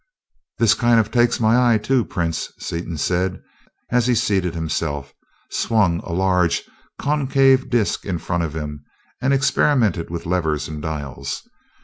"This kind of takes my eye, too, prince," Seaton said, as he seated himself, swung a large, concave disk in front of him, and experimented with levers and dials.